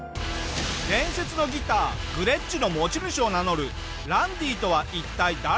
伝説のギターグレッチの持ち主を名乗るランディとは一体誰なのか？